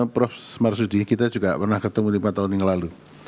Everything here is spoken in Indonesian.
prof marsudi kita juga pernah ketemu lima tahun yang lalu